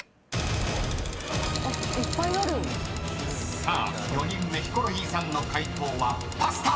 ［さあ４人目ヒコロヒーさんの解答はパスタ］